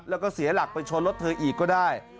แล้วก็เสียหลักไปชนรถเธออีกก็ได้